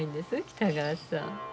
北川さん。